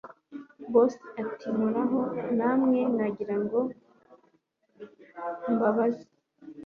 Boss atimuraho namwe nagiraga ngo mbabaze